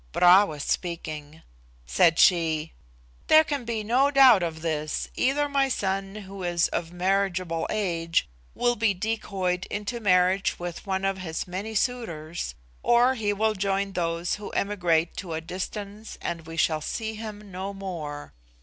Bra was speaking; said she, "There can be no doubt of this: either my son, who is of marriageable age, will be decoyed into marriage with one of his many suitors, or he will join those who emigrate to a distance and we shall see him no more.